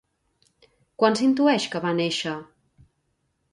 Quan s'intueix que va néixer?